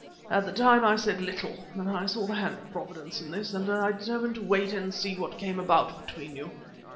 At the time I said little, but I saw the hand of Providence in this, and I determined to wait and see what came about between you.